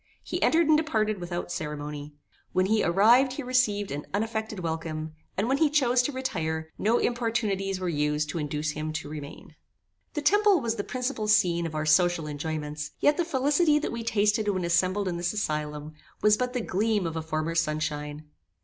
He entered and departed without ceremony. When he arrived he received an unaffected welcome, and when he chose to retire, no importunities were used to induce him to remain. The temple was the principal scene of our social enjoyments; yet the felicity that we tasted when assembled in this asylum, was but the gleam of a former sun shine.